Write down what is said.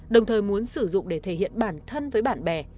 đồng thời muốn sử dụng để thể hiện bản thân với bạn bè